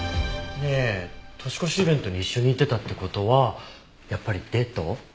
ねえ年越しイベントに一緒に行ってたって事はやっぱりデート？